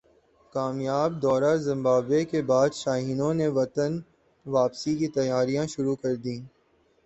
کامیاب دورہ زمبابوے کے بعد شاہینوں نے وطن واپسی کی تیاریاں شروع کردیں